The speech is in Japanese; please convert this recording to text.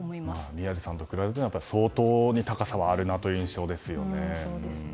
宮司さんと比べても相当に高さはあるなという印象ですよね。